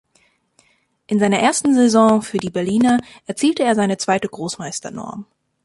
In seiner ersten Saison für die Berliner erzielte er seine zweite Großmeister-Norm.